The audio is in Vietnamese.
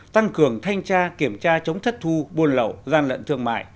tăng cường thanh tra kiểm tra chống thất thu buôn lậu gian lận thương mại